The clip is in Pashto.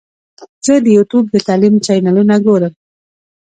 زه د یوټیوب د تعلیم چینلونه ګورم.